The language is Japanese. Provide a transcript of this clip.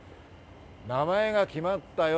名前が決まったよ。